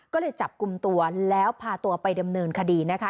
ก็เลยจับกลุ่มตัวแล้วพาตัวไปดำเนินคดีนะคะ